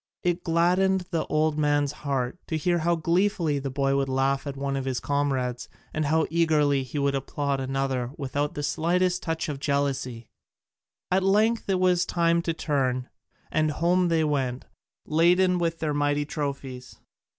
It gladdened the old man's heart to hear how gleefully the boy would laugh at one of his comrades and how eagerly he would applaud another without the slightest touch of jealousy. At length it was time to turn, and home they went, laden with their mighty trophies.